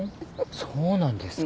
そうなんですか。